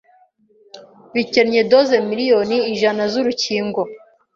bikennye doze miliyoni ijana z'urukingo